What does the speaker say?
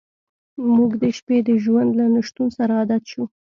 موږ د شپې د ژوند له نشتون سره عادت شو